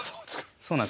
そうなんです。